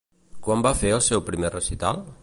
Quan va fer el seu primer recital?